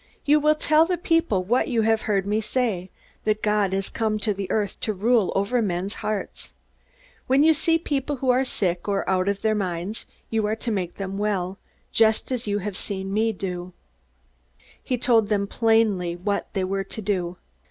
You will tell the people what you have heard me say that God has come to the earth to rule over men's hearts. When you see people who are sick or out of their minds, you are to make them well, just as you have seen me do." He told them plainly what they were to do.